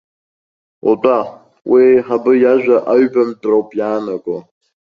Утәа, уи аиҳабы иажәа аҩбамтәра ауп иаанаго.